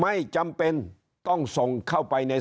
ตัวเลขการแพร่กระจายในต่างจังหวัดมีอัตราที่สูงขึ้น